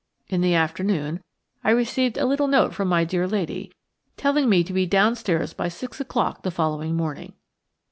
In the afternoon I received a little note from my dear lady, telling me to be downstairs by six o'clock the following morning.